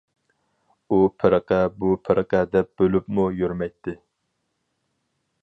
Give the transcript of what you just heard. ئۇ پىرقە بۇ پىرقە دەپ بۆلۈپمۇ يۈرمەيتتى.